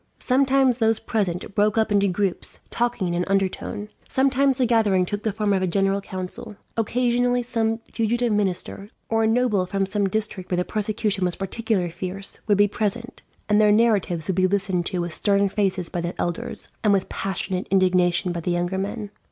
Sometimes those present broke up into groups, talking in an undertone. Sometimes the gathering took the form of a general council. Occasionally some fugitive minister, or a noble from some district where the persecution was particularly fierce, would be present; and their narratives would be listened to with stern faces by the elders, and with passionate indignation by the younger men.